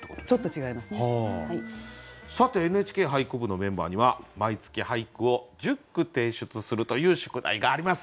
さて「ＮＨＫ俳句部」のメンバーには毎月俳句を１０句提出するという宿題があります。